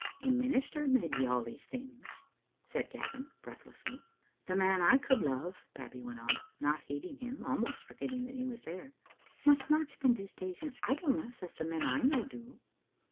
"A minister may be all these things," said Gavin, breathlessly. "The man I could love," Babbie went on, not heed ing him, almost forgetting that he was there, "must not spend his days in idleness as the men I know do.